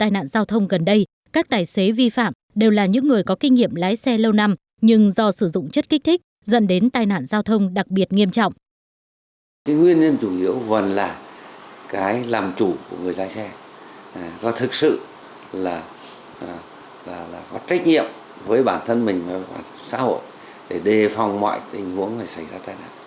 nó thực sự là có trách nhiệm với bản thân mình và xã hội để đề phòng mọi tình huống xảy ra tai nạn